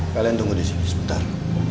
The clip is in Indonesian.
kalian tunggu di sini sebentar